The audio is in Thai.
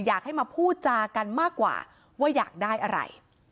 อยากให้มาพูดจากันมากกว่าว่าอยากได้อะไร